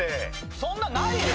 そんなんないよ！